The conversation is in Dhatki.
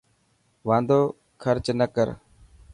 واندو خرچ نه ڪر.